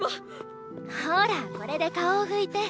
ほらこれで顔を拭いて。